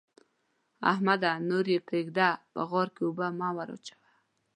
احمده! نور يې پرېږده؛ په غار کې اوبه مه وراچوه.